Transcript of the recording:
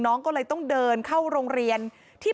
พอครูผู้ชายออกมาช่วยพอครูผู้ชายออกมาช่วย